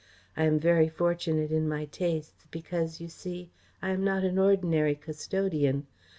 I am very fortunate in my tastes, because, you see, I am not an ordinary custodian.